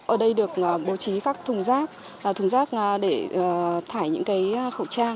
ở đây được bố trí các thùng rác thùng rác để thải những khẩu trang